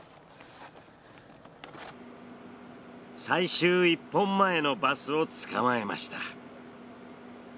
最終１本前のバスをつかまえました。